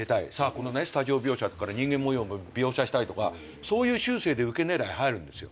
このスタジオ描写人間模様描写したいとかそういう習性でウケ狙い入るんですよ。